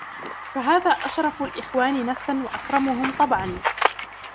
فَهَذَا أَشْرَفُ الْإِخْوَانِ نَفْسًا وَأَكْرَمُهُمْ طَبْعًا